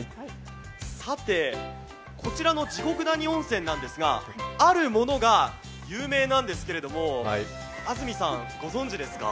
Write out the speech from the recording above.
さて、こちらの地獄谷温泉なんですが、あるものが有名なんですけれども安住さん、ご存じですか？